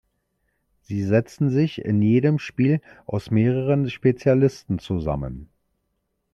Sie setzen sich in jedem Spiel aus mehreren Spezialisten zusammen.